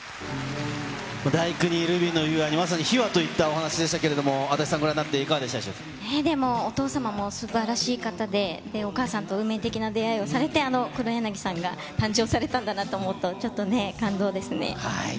第九にルビーの指環に、まさに秘話といったお話でしたけれども、安達さん、ご覧になってお父様もすばらしい方で、お母さんと運命的な出会いをされて、あの黒柳さんが誕生されたんだなと思うと、ちょっと感動ですね。